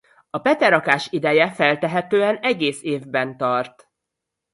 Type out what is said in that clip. A peterakás ideje feltehetően egész évben tart.